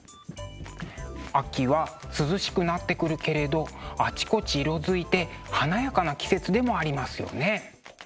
秋は涼しくなってくるけれどあちこち色づいて華やかな季節でもありますよね。